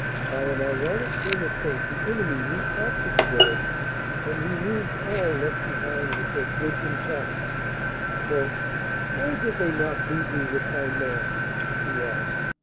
By an ironic turn of fate the enemy recaptured the village and removed all left behind with their goods and chattels. "Why did they not leave me with my man?" she asked.